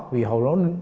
vì hồi đó